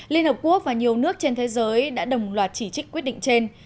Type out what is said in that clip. liên hợp quốc và nhiều nước trên thế giới đã đồng loạt chỉ trích quyết định trên